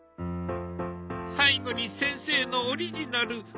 最後に先生のオリジナル。